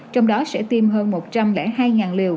trong đó sẽ tiêm hơn một trăm linh hai liều